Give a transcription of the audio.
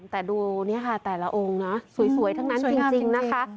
แต่ดูแต่ละองค์สวยทั้งนั้นจริงนะคะ